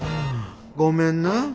ごめんな。